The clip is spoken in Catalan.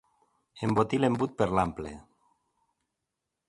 Embotir l'embut per l'ample.